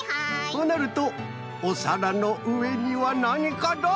となるとおさらのうえにはなにかな？